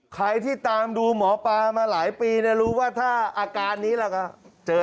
ใครที่ตามดูหมอปลามาหลายปีเนี่ยรู้ว่าถ้าอาการนี้ละก็เจอแล้ว